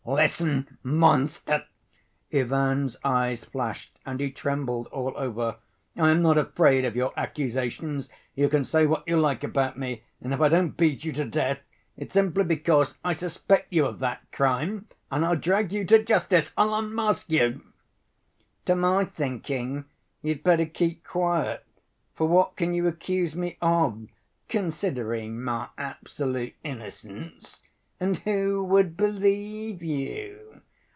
"Listen, monster." Ivan's eyes flashed and he trembled all over. "I am not afraid of your accusations; you can say what you like about me, and if I don't beat you to death, it's simply because I suspect you of that crime and I'll drag you to justice. I'll unmask you." "To my thinking, you'd better keep quiet, for what can you accuse me of, considering my absolute innocence? and who would believe you?